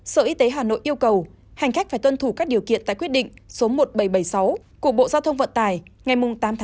sở y tế hà nội yêu cầu hành khách phải tuân thủ các điều kiện tại quyết định số một nghìn bảy trăm bảy mươi sáu của bộ giao thông vận tải ngày tám tháng chín